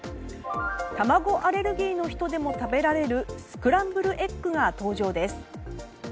卵アレルギーの人でも食べられるスクランブルエッグが登場です。